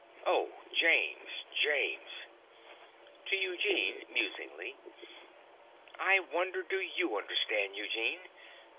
Oh, James, James! (To Eugene, musingly.) I wonder do you understand, Eugene!